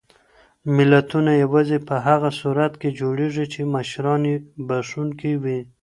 ملتونه یوازې په هغه صورت کې جوړېږي چې مشران یې بښونکي وي.